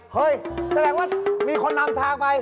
แสดงว่ามีคนนำทางไป